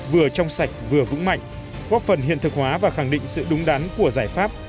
vừa trong sạch vừa vững mạnh góp phần hiện thực hóa và khẳng định sự đúng đắn của giải pháp